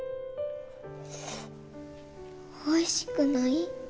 おいしくない？